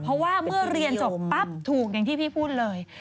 เพราะว่าเมื่อเรียนจบปั๊บถูกอย่างที่พี่พูดเลย